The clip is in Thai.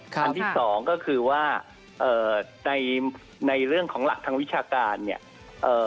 อันที่สองก็คือว่าเอ่อในในเรื่องของหลักทางวิชาการเนี่ยเอ่อ